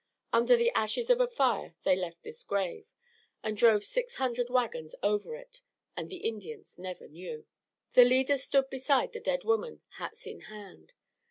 Under the ashes of a fire they left this grave, and drove six hundred wagons over it, and the Indians never knew. The leaders stood beside the dead woman, hats in hand.